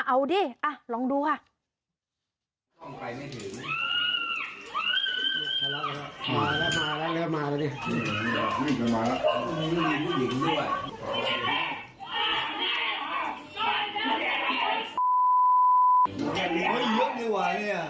เอาดิลองดูค่ะ